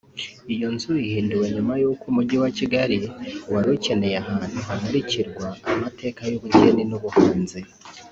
Iyo nzu ihinduwe nyuma y’uko Umujyi wa Kigali wari ukeneye ahantu hamurikirwa amateka y’ubugeni n’ubuhanzi